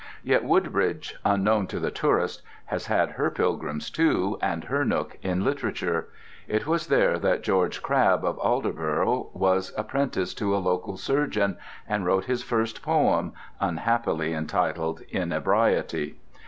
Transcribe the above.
Yet Woodbridge, unknown to the tourist, has had her pilgrims, too, and her nook in literature. It was there that George Crabbe of Aldeburgh was apprenticed to a local surgeon and wrote his first poem, unhappily entitled "Inebriety."